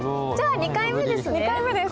２回目です。